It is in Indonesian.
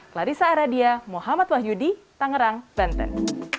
clarissa aradia muhammad wahyudi tangerang banten